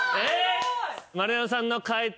丸山さんの解答